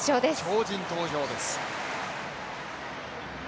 超人登場です。